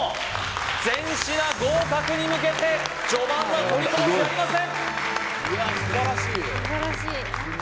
全品合格に向けて序盤は取りこぼしありません